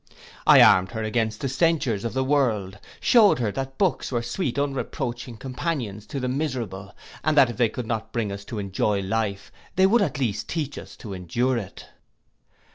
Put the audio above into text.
I armed her against the censures of the world, shewed her that books were sweet unreproaching companions to the miserable, and that if they could not bring us to enjoy life, they would at least teach us to endure it.